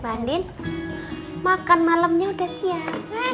ma din makan malamnya udah siap